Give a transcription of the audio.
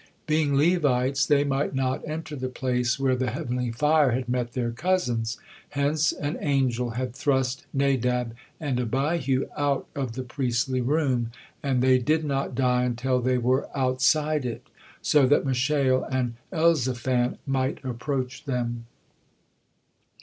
Being Levites they might not enter the place where the heavenly fire had met their cousins, hence an angel had thrust Nadab and Abihu out of the priestly room, and they did not die until they were outside it, so that Mishael and Elzaphan might approach them.